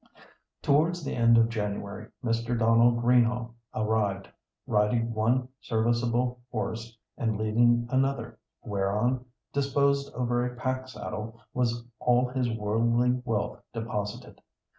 Towards the end of January Mr. Donald Greenhaugh arrived, riding one serviceable horse, and leading another, whereon, disposed over a pack saddle, was all his worldly wealth deposited.